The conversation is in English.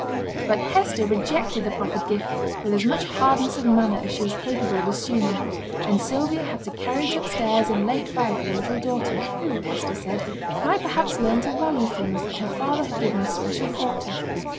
But Hester rejected the proffered gift with as much hardness of manner as she was capable of assuming; and Sylvia had to carry it upstairs and lay it by for the little daughter, who, Hester said, might perhaps learn to value things that her father had given especial thought to.